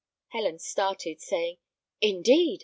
Helen started, saying, "Indeed!